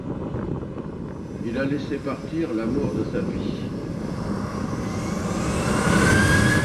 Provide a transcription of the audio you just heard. Il a laissé partir l’amour de sa vie.